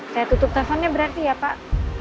saya tutup teleponnya berarti ya pak